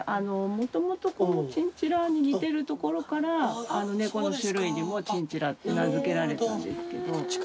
もともとこのチンチラに似てるところからネコの種類にもチンチラって名付けられたんですけど。